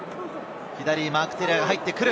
左にマーク・テレアが入ってくる。